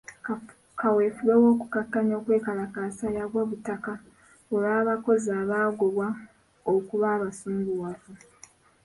Kaweefube w'okukakkanya okwekalakaasa yagwa butaka olw'abakozi abaagobwa okuba abasunguwavu.